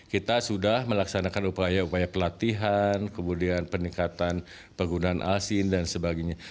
kita sudah melaksanakan upaya upaya pelatihan kemudian peningkatan penggunaan alsin dan sebagainya